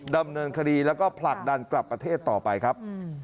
ดำเนินคดีแล้วก็ผลักดันกลับประเทศต่อไปครับ